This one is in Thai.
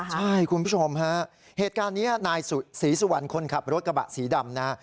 ใช่คุณผู้ชมฮะเหตุการณ์นี้นายศรีสุวรรณคนขับรถกระบะสีดำนะฮะ